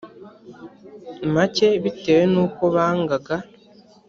make bitewe n uko bangaga